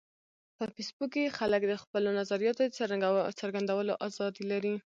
په فېسبوک کې خلک د خپلو نظریاتو د څرګندولو ازادي لري